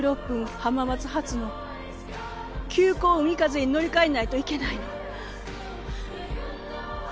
浜松発の急行うみかぜに乗り換えないといけないの。